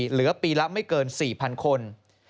เหลือปีละไม่เกิน๔๐๐คน